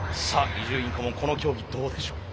伊集院顧問この競技どうでしょう。